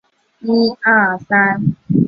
苏穆埃尔拉尔萨国王。